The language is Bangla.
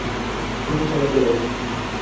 তুমি চালাতে পারো।